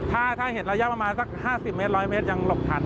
ถ้าเห็นระยะประมาณสัก๕๐เมตร๑๐๐เมตรยังหลบทัน